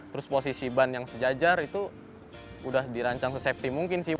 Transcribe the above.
terus posisi ban yang sejajar itu udah dirancang sesafety mungkin sih